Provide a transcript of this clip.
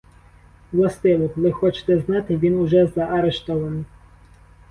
Властиво, коли хочете знати, він уже заарештований.